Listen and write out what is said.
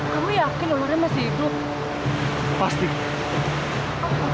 kamu yakin ularnya masih hidup